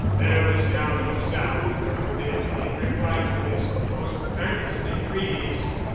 There was now no sound from within in reply to his more earnest entreaties.